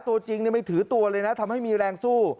ตัวจริงไม่ถือตัวเลยนะทำให้มีแรงสู้